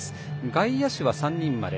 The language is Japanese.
外野手は３人まで。